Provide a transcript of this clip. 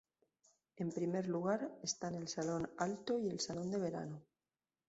En primer lugar, están el Salón Alto y el Salón de Verano.